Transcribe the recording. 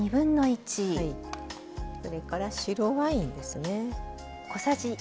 それから白ワインですね。